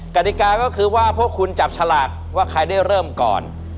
กฎิกาก็คือว่าพวกคุณจับฉลากว่าใครได้เริ่มก่อน